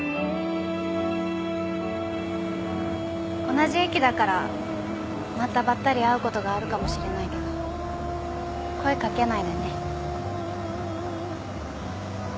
同じ駅だからまたばったり会うことがあるかもしれないけど声掛けないでね。